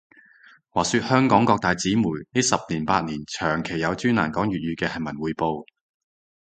話說香港各大紙媒呢十年八年，長期有專欄講粵語嘅係文匯報